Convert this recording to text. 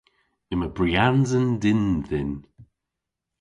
Yma briansen dynn dhyn.